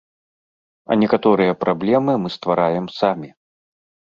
А некаторыя праблемы мы ствараем самі.